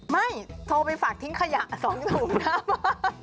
ไม่โทรไปฝากทิ้งขยะ๒ถุงหน้าบ้าน